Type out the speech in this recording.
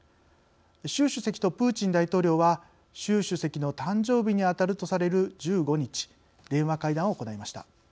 習主席とプーチン大統領は習主席の誕生日に当たるとされる１５日、電話会談を行いました。